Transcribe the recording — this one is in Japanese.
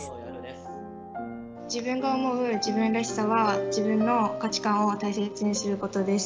自分が思う自分らしさは自分の価値観を大切にすることです。